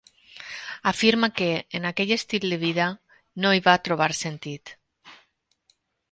Afirma que, en aquell estil de vida, no hi va trobar sentit.